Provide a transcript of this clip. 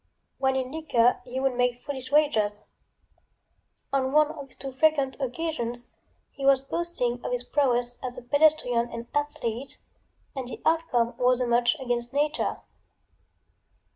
When in liquor he would make foolish wagers. On one of these too frequent occasions he was boasting of his prowess as a pedestrian and athlete, and the outcome was a match against nature.